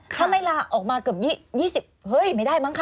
ถ้าไม่ลาออกมาเกือบ๒๐เฮ้ยไม่ได้มั้งคะ